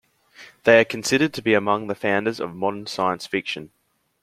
They are considered to be among the founders of modern science fiction.